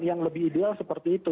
yang lebih ideal seperti itu